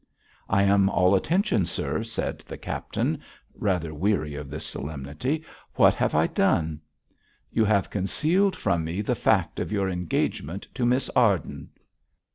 'I am all attention, sir,' said the captain, rather weary of this solemnity. 'What have I done?' 'You have concealed from me the fact of your engagement to Miss Arden.'